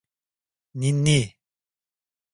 Ninni…